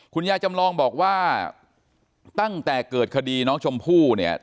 จำลองบอกว่าตั้งแต่เกิดคดีน้องชมพู่เนี่ย